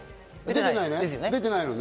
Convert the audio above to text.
出てないのね？